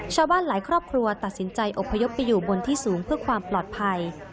หลายครอบครัวตัดสินใจอบพยพไปอยู่บนที่สูงเพื่อความปลอดภัย